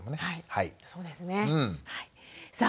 はいそうですね。